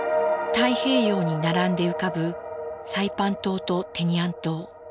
太平洋に並んで浮かぶサイパン島とテニアン島。